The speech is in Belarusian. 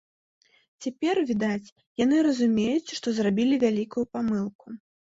Цяпер, відаць, яны разумеюць, што зрабілі вялікую памылку.